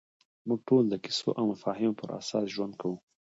موږ ټول د کیسو او مفاهیمو پر اساس ژوند کوو.